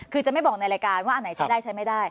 คือจะไม่บอกในรายการว่าอันไหนใช้ได้ใช้ไม่ได้